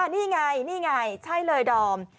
นี่ไงใช่เลยดอม